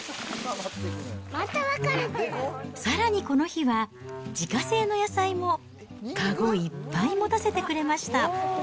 さらにこの日は、自家製の野菜も籠いっぱい持たせてくれました。